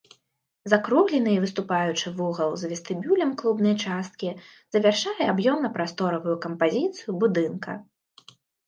Закруглены і выступаючы вугал з вестыбюлем клубнай часткі завяршае аб'ёмна-прасторавую кампазіцыю будынка.